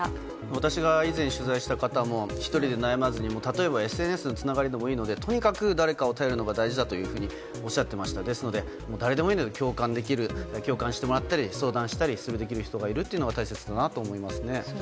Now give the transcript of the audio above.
私が以前取材して方も１人で悩まずに例えばＳＮＳのつながりでもいいのでとにかく誰かを頼るのが大事だとおっしゃっていましたので誰でもいいので共感できる相手に共感してもらったり相談したり、すぐできる人がいることが大切ですね。